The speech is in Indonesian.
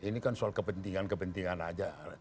ini kan soal kepentingan kepentingan aja